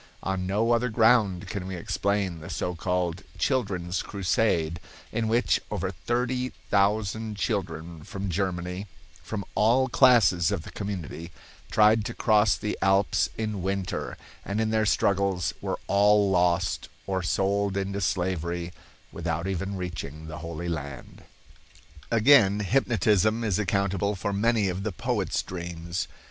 On no other ground can we explain the so called "Children's Crusade," in which over thirty thousand children from Germany, from all classes of the community, tried to cross the Alps in winter, and in their struggles were all lost or sold into slavery without even reaching the Holy Land. Again, hypnotism is accountable for many of the poet's dreams.